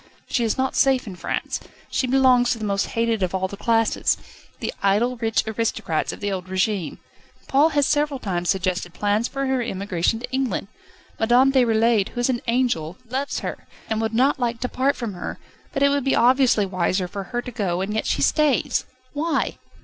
She is not safe in France. She belongs to the most hated of all the classes the idle, rich aristocrats of the old régime. Paul has several times suggested plans for her emigration to England. Madame Déroulède, who is an angel, loves her, and would not like to part from her, but it would be obviously wiser for her to go, and yet she stays. Why?"